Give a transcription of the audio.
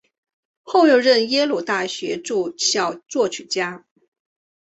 后又任耶鲁大学驻校作曲家。